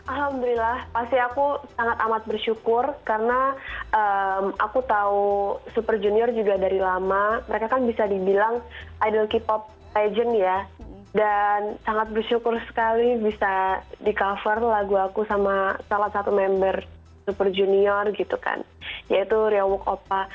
alhamdulillah pasti aku sangat amat bersyukur karena aku tahu super junior juga dari lama mereka kan bisa dibilang idol k pop legend ya dan sangat bersyukur sekali bisa di cover lagu aku sama salah satu member super junior gitu kan yaitu rewook oppa